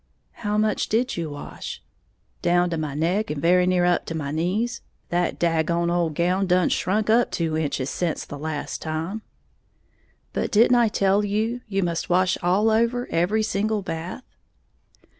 "How much did you wash?" "Down to my neck and very near up to my knees. That dag gone ole gown done shrunk up two inches sence the last time." "But didn't I tell you you must wash all over every single bath?"